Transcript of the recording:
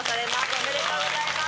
おめでとうございます。